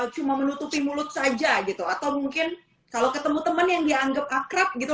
cuma menutupi mulut saja gitu atau mungkin kalau ketemu temen yang dianggap akrab gitu